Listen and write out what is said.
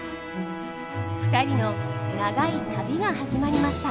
２人の長い「旅」が始まりました。